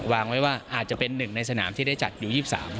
วางไว้ว่าอาจจะเป็นหนึ่งในสนามที่ได้จัดอยู่๒๓